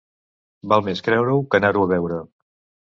Val més creure-ho que anar-ho a veure.